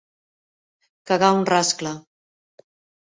Cagar un rascle.